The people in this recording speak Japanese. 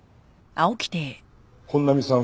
本並さん